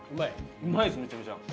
うまいっすめちゃめちゃ。